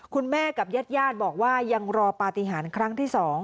คุณแม่กับญาติบอกว่ายังรอปฏิหารครั้งที่๒